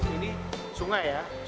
ini sungai ya